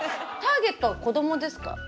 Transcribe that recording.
ターゲットは子どもですか？